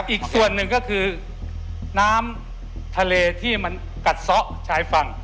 อีกส่วนหนึ่งก็คือน้ำทะเลที่มันกัดซะชายฝั่ง